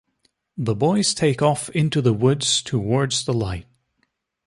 The boys take off into the woods towards the light.